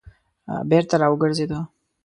بېرته راوګرځېده.